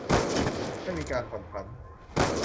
ไม่มีการผ่อนผัน